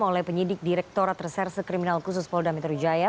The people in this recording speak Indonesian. oleh penyidik direkturat reserse kriminal khusus polda metro jaya